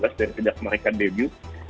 sejak mereka debut